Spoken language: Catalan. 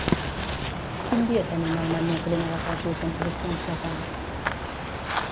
Quin dia tenim al menú crema de pèsols amb crostons de pa?